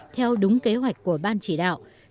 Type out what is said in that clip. theo đúng kế hoạch của ban chỉ đạo